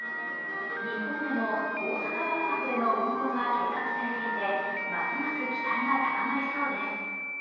日本でも大阪万博での運航が計画されていてますます期待が高まりそうです。